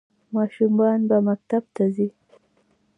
ماشومان به مکتب ته ځي؟